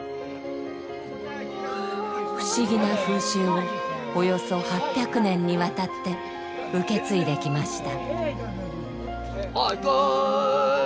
不思議な風習をおよそ８００年にわたって受け継いできました。